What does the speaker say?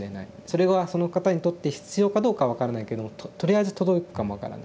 それがその方にとって必要かどうか分からないけどもとりあえず届くかも分からない。